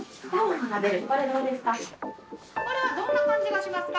これはどんな感じがしますか？